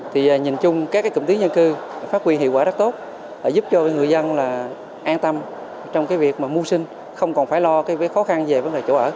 thì nhìn chung các cường tí dân cư phát huy hiệu quả rất tốt giúp cho người dân an tâm trong việc mua sinh không còn phải lo khó khăn về chỗ ở